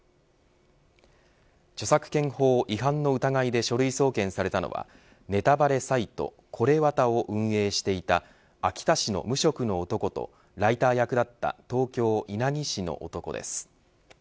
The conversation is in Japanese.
著作権法違反の疑いで書類送検されたのはネタバレサイトＫＯＲＥＷＡＴＡを運営していた秋田市の無職の男とライター役だった東京、稲城市の男です。